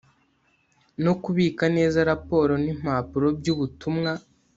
No kubika neza raporo n impapuro by ubutumwa